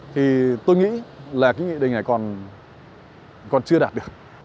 thì tôi nghĩ là cái nghị định này còn chưa đạt được